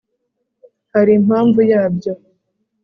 hari impamvu yabyo